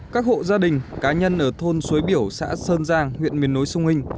các hộ gia đình cá nhân ở thôn suối biểu xã sơn giang huyện miền núi xuân nghinh